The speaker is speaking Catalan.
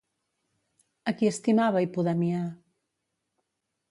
A qui estimava Hipodamia?